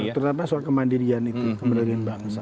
benar terutama soal kemandirian itu kemendirian bangsa